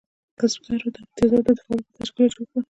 کسبګرو د امتیازاتو د دفاع لپاره تشکیلات جوړ کړل.